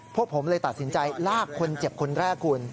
พวกผมเลยตัดสินใจลากคนเจ็บคนแรกคุณ